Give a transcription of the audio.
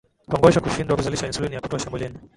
kongosho hushindwa kuzalisha insulini ya kutosha mwilini